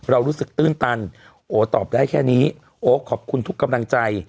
เรารู้สึกตื้นตันโอตอบได้แค่นี้โอ๊ขอบคุณทุกกำลังใจ